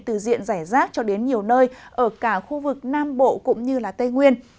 từ diện giải rác cho đến nhiều nơi ở cả khu vực nam bộ cũng như tây nguyên